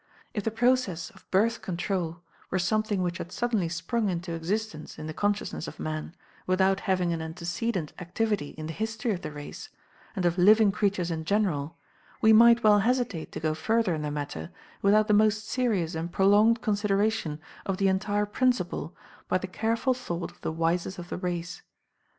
If the process of Birth Control were something which had suddenly sprung into existence in the consciousness of man, without having an antecedent activity in the history of the race, and of living creatures in general, we might well hesitate to go further in the matter without the most serious and prolonged consideration of the entire principle by the careful thought of the wisest of the race.